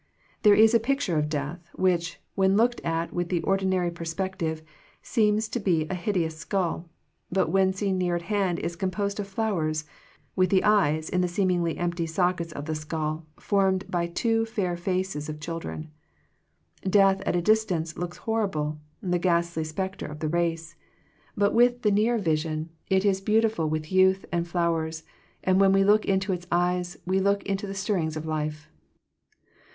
There is a picture of death, which, when looked at with the ordinary per spective, seems to be a hideous skull, but when seen near at hand is composed of flowers, with the eyes, in the seem ingly empty sockets of the skull, formed by two fair faces of children. Death at a distance looks horrible, the ghastly spectre of the race; but with the near 130 Digitized by VjOOQIC THE ECLIPSE OF FRIENDSHIP vision it is beautiful with youth and flowers, and when we loolc into its eyes "we look into the stirrings of life.